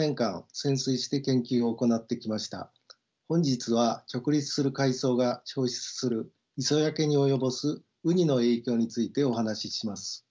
本日は直立する海藻が消失する磯焼けに及ぼすウニの影響についてお話しします。